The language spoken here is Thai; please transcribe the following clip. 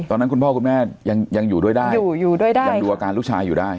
คุณพ่อคุณแม่ยังยังอยู่ด้วยได้ยังอยู่อยู่ด้วยได้ยังดูอาการลูกชายอยู่ได้